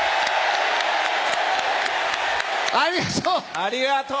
ありがとう！